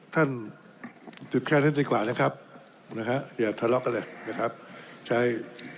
ท่านหยุดแค่นั้นดีกว่านะครับนะฮะอย่าทะเลาะกันเลยนะครับใช้